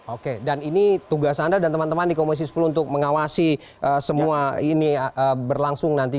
oke dan ini tugas anda dan teman teman di komisi sepuluh untuk mengawasi semua ini berlangsung nanti